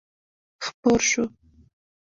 خپور شو.